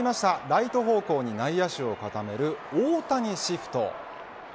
ライト方向に内野手を固める大谷シフト。